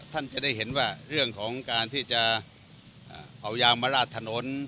ท่านจะได้เห็นว่าเรื่องของการที่จะเอายางมาลาดถนน